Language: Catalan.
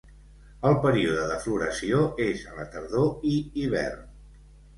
El període de floració és a la tardor i hivern.